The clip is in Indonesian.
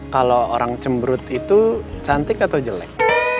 kalo orang cemberut itu cantik atau jelek